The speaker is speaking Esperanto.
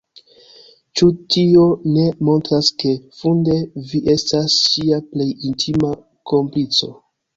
Ĉu tio ne montras ke, funde, vi estas ŝia plej intima komplico?